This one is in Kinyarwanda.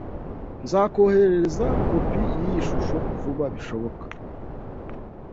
Nzakoherereza kopi yiyi shusho vuba bishoboka.